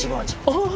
ああ！